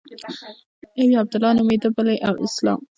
يو يې عبدالله نومېده بل يې اسلام.